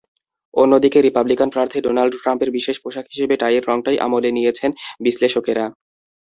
অন্যদিকে রিপাবলিকান প্রার্থী ডোনাল্ড ট্রাম্পের বিশেষ পোশাক হিসেবে টাইয়ের রংটাই আমলে নিয়েছেন বিশ্লেষকেরা।